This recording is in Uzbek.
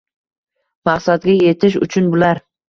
Maqsadga yetish uchun bular